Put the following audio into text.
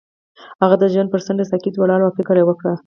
هغه د ژوند پر څنډه ساکت ولاړ او فکر وکړ.